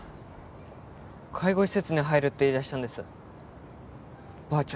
介護施設に入るって言い出したんですば